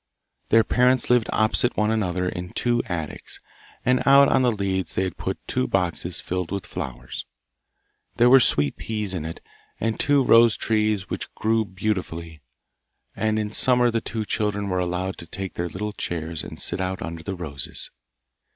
Their parents lived opposite one another in two attics, and out on the leads they had put two boxes filled with flowers. There were sweet peas in it, and two rose trees, which grow beautifully, and in summer the two children were allowed to take their little chairs and sit out under the roses.